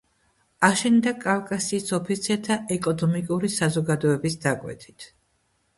აშენდა კავკასიის ოფიცერთა ეკონომიკური საზოგადოების დაკვეთით.